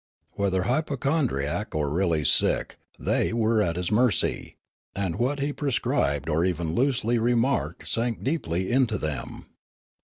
Whether hypo chondriac or really sick, they were at his mercy, and what he prescribed or even loosely remarked sank deeply into them.